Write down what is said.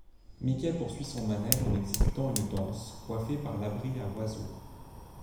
Mickey poursuit son manège en exécutant une danse, coiffé par l'abri à oiseau.